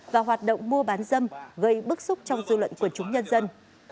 và hoạt động mua bán dâm gây bức xúc trong dư luận quần chúng nhân dân